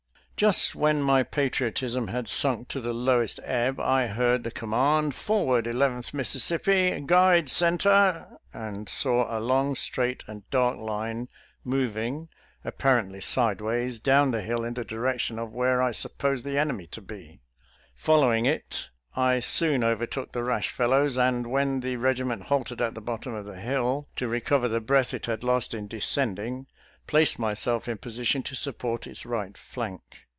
Just when my patriotism had sunk to the low est ebb, I heard the command, " Forward, Eleventh Mississippi ! Guide center !" and saw a long, straight and dark line moving, apparently 68 SOLDIER'S LETTERS TO CHARMING NELLIE sidewise, down the hill in the direction of where I supposed the enemy to be. Following it, I soon overtook the rash fellows, and when the regiment halted at the bottom of the hill to re cover the breath it had lost in descending, placed myself in position to support its right flank.